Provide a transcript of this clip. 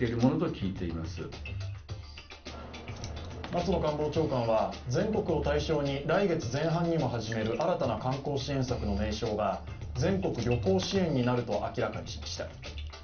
松野官房長官は、全国を対象に来月前半にも始める新たな観光支援策の名称が、全国旅行支援になると明らかにしました。